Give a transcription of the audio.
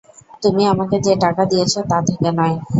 তুমি আমাকে যে টাকা দিয়েছ তা থেকে নয়।